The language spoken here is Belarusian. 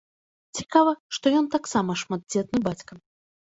Цікава, што ён таксама шматдзетны бацька.